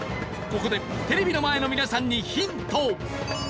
ここでテレビの前の皆さんにヒント。